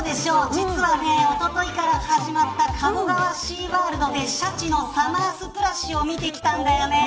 実はおとといから始まった鴨川シーワールドでシャチのサマースプラッシュを見てきたんだよね。